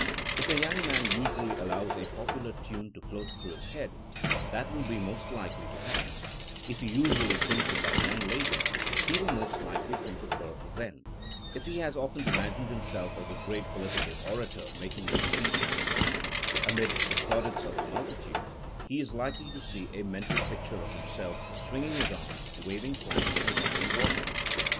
If a young man usually allows a popular tune to float through his head, that will be most likely to happen; if he usually thinks of that young lady, he wiU most likely think of her then ; if he has often imagined himself as some great po litical orator making a speech amid the plaudits of the multitude, he is likely to see a mental pic ture of himself swinging his arms, waving flags and gulping water.